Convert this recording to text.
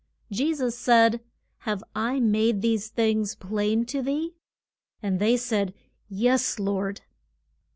Je sus said, Have I made these things plain to thee? And they said, Yes, Lord.